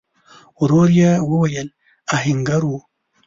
ورو يې وويل: آهنګر و؟